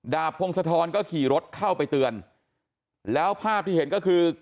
พงศธรก็ขี่รถเข้าไปเตือนแล้วภาพที่เห็นก็คือ